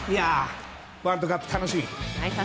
ワールドカップ、楽しみ。